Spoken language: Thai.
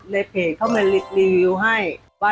ในเพจเขามารีวิวให้